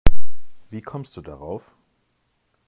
Wie kommst du darauf?